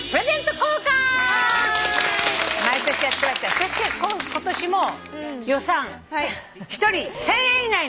そして今年も予算１人１，０００円以内の。